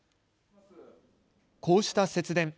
こうした節電。